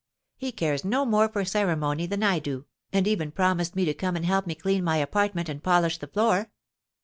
He cares no more for ceremony than I do, and even promised me to come and help me clean my apartment and polish the floor.